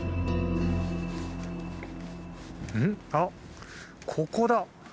あっここだ。